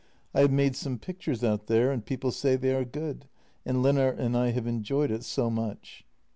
I have made some pictures out there and people say they are good, and Lennart and I have enjoyed it so much.